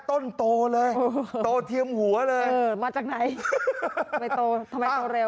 โตเลยโตเทียมหัวเลยเออมาจากไหนไม่โตทำไมโตเร็ว